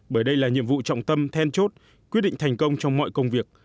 bởi đây là nhiệm vụ trọng tâm then chốt quyết định thành công trong mọi công việc